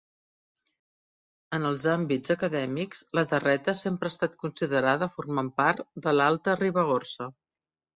En els àmbits acadèmics, la Terreta sempre ha estat considerada formant part de l'Alta Ribagorça.